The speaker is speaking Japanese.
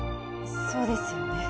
そうですよね。